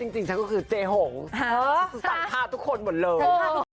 จริงฉันก็คือเจหงสั่งผ้าทุกคนหมดเลย